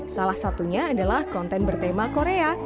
salah satunya adalah konten bertema korea